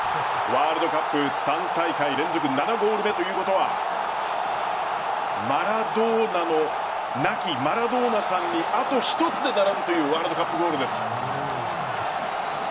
ワールドカップ３大会連続７ゴール目ということは亡きマラドーナさんにあと１つで並ぶというワールドカップゴールです。